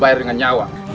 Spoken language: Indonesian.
bayar dengan nyawa